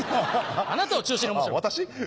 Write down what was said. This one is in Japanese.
あなたを中心に面白く。